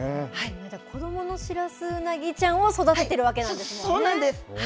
子どものシラスウナギちゃんを育てているわけなんですね。